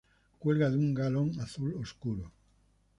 Cuelga de un galón azul oscuro.